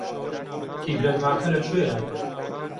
قیبلەنماکە لەکوێیە؟